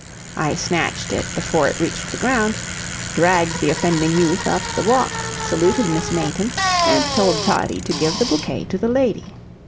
I snatched it before it reached the ground, dragged the offending youth up the walk, saluted Miss Mayton, and told Toddie to give the bouquet to the lady.